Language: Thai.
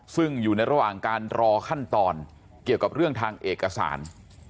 ซึ่งอยู่ในระหว่างการรอขั้นตอนเกี่ยวกับเรื่องทางเอกสาร